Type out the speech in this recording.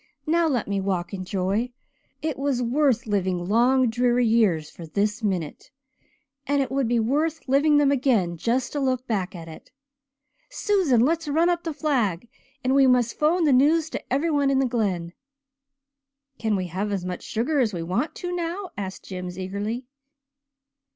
Now let me walk in joy. It was worth living long dreary years for this minute, and it would be worth living them again just to look back to it. Susan, let's run up the flag and we must phone the news to every one in the Glen." "Can we have as much sugar as we want to now?" asked Jims eagerly.